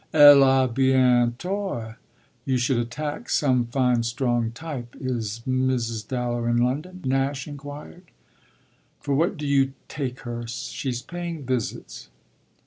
"Elle a bien tort. You should attack some fine strong type. Is Mrs. Dallow in London?" Nash inquired. "For what do you take her? She's paying visits."